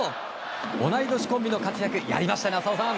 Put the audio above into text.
同い年コンビの活躍やりましたね、浅尾さん。